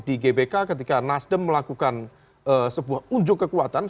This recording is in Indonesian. di gbk ketika nasdem melakukan sebuah unjuk kekuatan